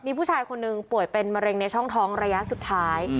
มีผู้ชายคนหนึ่งป่วยเป็นมะเร็งในช่องท้องระยะสุดท้าย